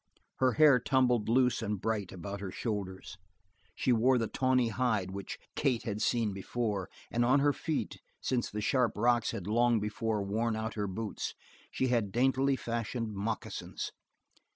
Her hair tumbled loose and bright about her shoulders; she wore the tawny hide which Kate had seen before, and on her feet, since the sharp rocks had long before worn out her boots, she had daintily fashioned moccasins.